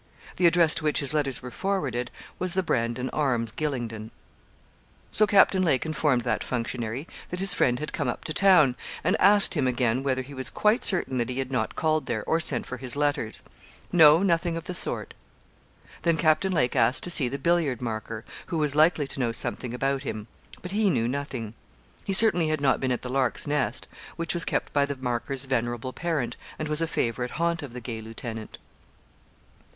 The address to which his letters were forwarded was 'The Brandon Arms, Gylingden.' So Captain Lake informed that functionary that his friend had come up to town, and asked him again whether he was quite certain that he had not called there, or sent for his letters. No; nothing of the sort. Then Captain Lake asked to see the billiard marker, who was likely to know something about him. But he knew nothing. He certainly had not been at the 'Lark's Nest,' which was kept by the marker's venerable parent, and was a favourite haunt of the gay lieutenant.